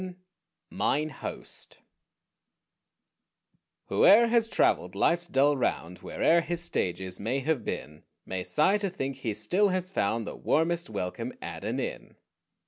XI MINE HOST Whoe'er has traveled life's dull round, Where'er his stages may have been, May sigh to think he still has found The warmest welcome at an inn.